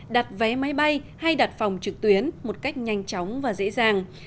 đặt vé máy bay hay đặt phòng trực tuyến một cách nhanh chóng và dễ dàng